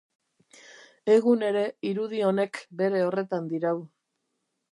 Egun ere irudi honek bere horretan dirau.